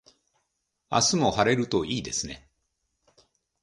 明日も晴れるといいですね。